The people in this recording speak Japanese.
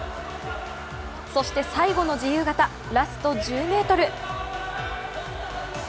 そして最後の自由形、ラスト１０ｍ。